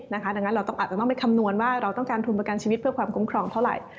ดังนั้นเราอาจจะต้องไปคำนวณว่าเราต้องการทุนประกันชีวิตเพื่อความคุ้มครองเท่าไหร่